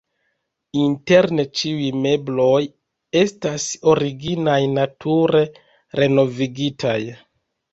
Interne ĉiuj mebloj estas originaj, nature renovigitaj.